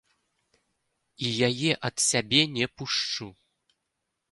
І яе ад сябе не пушчу.